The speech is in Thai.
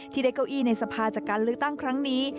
ที่ได้เก้าอี้ในสภาจการลื้อตั้งครั้งนี้